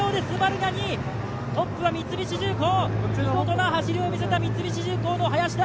トップは三菱重工、見事な走りを見せた三菱重工の林田。